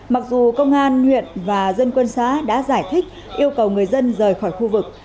mặc dù công an huyện và dân quân xã đã giải thích yêu cầu người dân rời khỏi khu vực